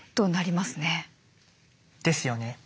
ですよね。